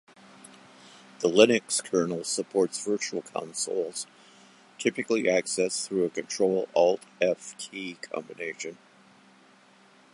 The Linux kernel supports virtual consoles, typically accessed through a Ctrl-Alt-F key combination.